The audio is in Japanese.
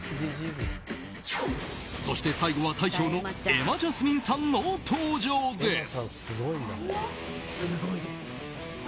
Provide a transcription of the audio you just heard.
そして最後は大将の瑛茉ジャスミンさんの登場です！